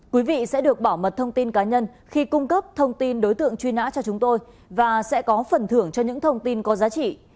quý vị sẽ được bảo mật thông tin cá nhân khi cung cấp thông tin đối tượng truy nã cho chúng tôi và sẽ có phần thưởng cho những thông tin có giá trị